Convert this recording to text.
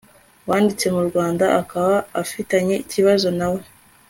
wanditse mu rwanda akaba afitanye ikibazo nawe